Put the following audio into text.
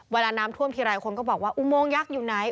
เวลาน้ำท่วมทีไรคนก็บอกว่าอุโมงยักษ์อยู่ไหน